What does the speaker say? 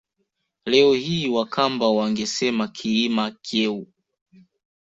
Leo hii Wakamba wangesema Kiima Kyeu